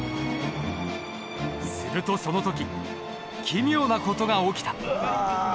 するとその時奇妙な事が起きた。